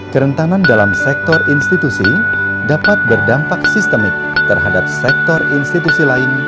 kerentanan dalam sektor institusi dapat berdampak sistemik terhadap sektor institusi lain